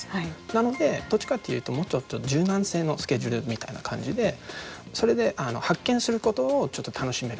なのでどっちかっていうと柔軟性のスケジュールみたいな感じでそれで発見することをちょっと楽しめる。